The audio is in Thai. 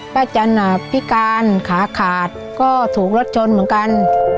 จันพิการขาขาดก็ถูกรถชนเหมือนกัน